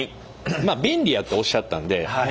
便利やっておっしゃったんで。